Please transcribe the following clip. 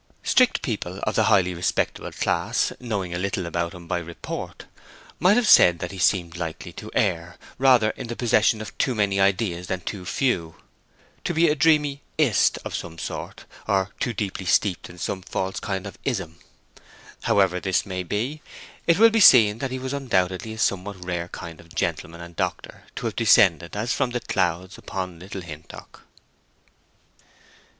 Strict people of the highly respectable class, knowing a little about him by report, might have said that he seemed likely to err rather in the possession of too many ideas than too few; to be a dreamy 'ist of some sort, or too deeply steeped in some false kind of 'ism. However this may be, it will be seen that he was undoubtedly a somewhat rare kind of gentleman and doctor to have descended, as from the clouds, upon Little Hintock.